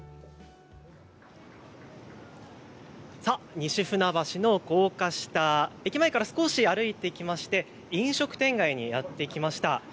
西船橋の高架下、駅前から少し歩いてきまして飲食店街にやって来ました。